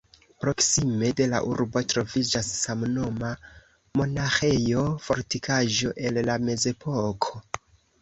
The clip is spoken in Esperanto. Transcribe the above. Proksime de la urbo troviĝas samnoma monaĥejo-fortikaĵo el la Mezepoko.